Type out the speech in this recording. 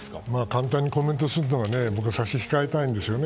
簡単にコメントするのは僕は差し控えたいんですよね。